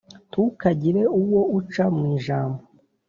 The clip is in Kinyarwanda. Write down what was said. ntukagire uwo uca mu ijambo